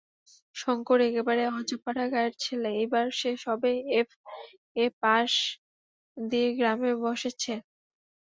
শঙ্কর একেবারে অজ পাড়াগাঁয়ের ছেলে। এইবার সে সবে এফ্.এ. পাশ দিয়ে গ্রামে বসেচে।